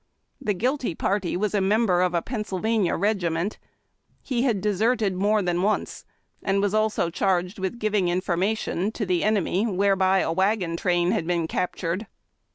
The guilty party was a member of a Pennsylvania regiment. He had deserted more than once, and was also charged with giving informa tion, to the enemy whereby a wagon train had been captured.